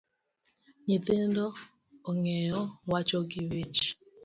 Nyithindo ong’eyo wacho gi wich